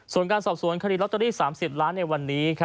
ส่วนการสอบสวนคดีลอตเตอรี่๓๐ล้านในวันนี้